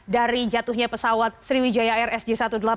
dari jatuhnya pesawat sriwijaya air sj satu ratus delapan puluh dua